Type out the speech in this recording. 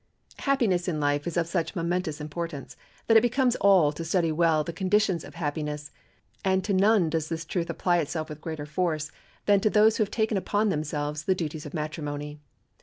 ] Happiness in life is of such momentous importance that it becomes all to study well the conditions of happiness, and to none does this truth apply itself with greater force than to those who have taken upon themselves the duties of matrimony.